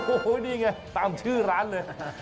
โอ้โหนี่ไงตามชื่อร้านเลย